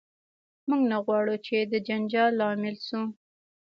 موږ نه غواړو چې د جنجال لامل شو.